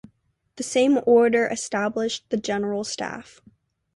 The same order established the General Staff.